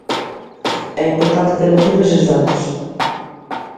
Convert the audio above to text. É importante ter acceso a eses datos.